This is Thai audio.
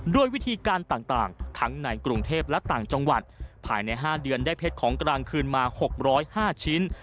ด้วยวิธีการต่างทั้งในกรุงเทพและต่างจังหวัดภายใน๕เดือนได้เพชรของกลางคืนมา๖๐๕ชิ้น